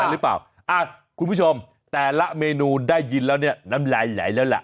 หรือเปล่าอ่ะคุณผู้ชมแต่ละเมนูได้ยินแล้วเนี่ยน้ำลายไหลแล้วล่ะ